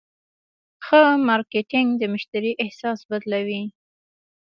ښه مارکېټنګ د مشتری احساس بدلوي.